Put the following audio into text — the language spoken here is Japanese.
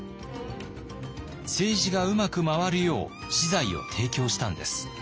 政治がうまく回るよう私財を提供したんです。